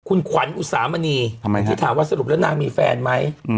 คุณขวัญอุสามณีที่ถามว่าสรุปแล้วนางมีแฟนไหม